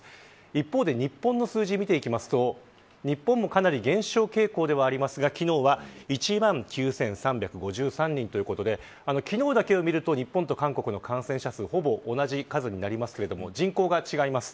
一方で、日本の数字を見ていくと日本もかなり減少傾向ではありますが昨日は１万９３５３人ということで昨日だけを見ると日本と韓国の感染者数はほぼ同じになりますが人口が違います。